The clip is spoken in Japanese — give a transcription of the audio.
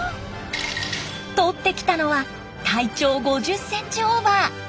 とってきたのは体長５０センチオーバー。